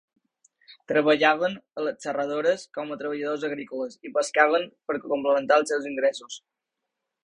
Treballaven a les serradores, com a treballadors agrícoles, i pescaven per complementar els seus ingressos.